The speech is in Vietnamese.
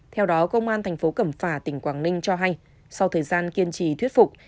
theo đó công an thành phố cẩm phả tỉnh quảng ninh cho hay sau thời gian kiên trì thuyết phục